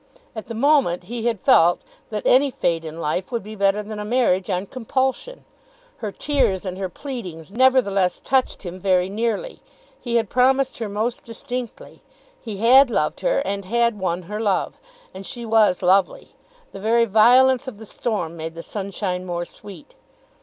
At that moment he had felt that any fate in life would be better than a marriage on compulsion. Her tears and her pleadings, nevertheless, touched him very nearly. He had promised her most distinctly. He had loved her and had won her love. And she was lovely. The very violence of the storm made the sunshine more sweet.